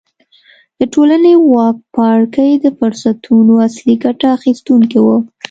د ټولنې واکمن پاړکي د فرصتونو اصلي ګټه اخیستونکي وو.